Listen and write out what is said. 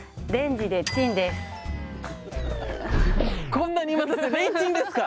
こんなに待たせてレンチンですか。